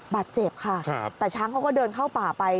บาดเจ็บค่ะแต่ช้างเขาก็เดินเข้าป่าไป